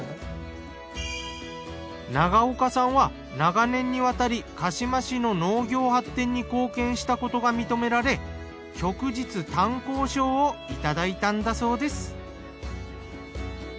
長岡さんは長年にわたり鹿嶋市の農業発展に貢献したことが認められ旭日単光賞をいただいたんだそうです。